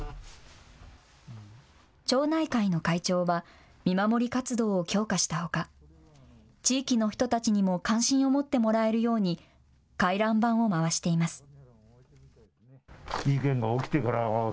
町内会の会長は見守り活動を強化したほか地域の人たちにも関心を持ってもらえるように回覧板を回しています。